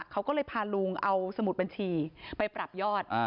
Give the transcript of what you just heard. เขาก็เลยพาลุงเอาสมุดบัญชีไปปรับยอด